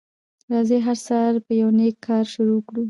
راځی هر سهار په یو نیک کار شروع کړو